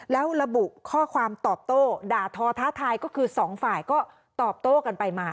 แล้วระบุข้อความตอบโต้ด่าทอท้าทายก็คือสองฝ่ายก็ตอบโต้กันไปมา